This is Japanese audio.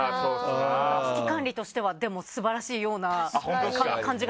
危機管理としては素晴らしいような。